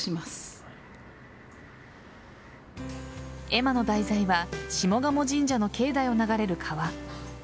絵馬の題材は下鴨神社の境内を流れる川。